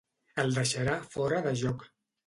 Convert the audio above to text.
El deixarà fora de joc.